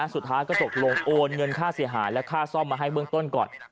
สุดท้ายก็ตกลงโอนเงินค่าเสียหายและค่าซ่อมมาให้เบื้องต้นก่อน